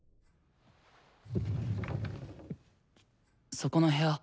そこの部屋。